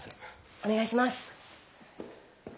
お願いします。